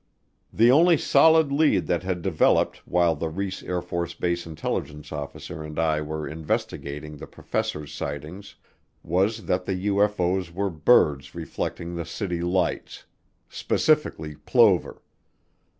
The only solid lead that had developed while the Reese AFB intelligence officer and I were investigating the professors' sightings was that the UFO's were birds reflecting the city lights; specifically plover.